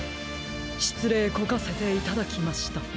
しつれいこかせていただきました。